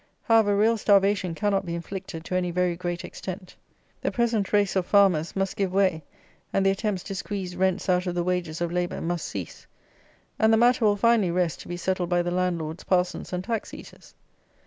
However, real starvation cannot be inflicted to any very great extent. The present race of farmers must give way, and the attempts to squeeze rents out of the wages of labour must cease. And the matter will finally rest to be settled by the landlords, parsons, and tax eaters.